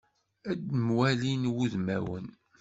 Ad mwalin wudmawen.